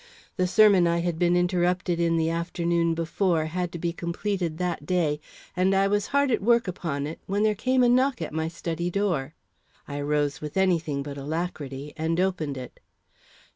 The sermon I had been interrupted in the afternoon before, had to be completed that day; and I was hard at work upon it when there came a knock at my study door. I arose with any thing but alacrity and opened it.